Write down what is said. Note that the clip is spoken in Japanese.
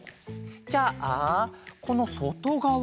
じゃあこのそとがわには。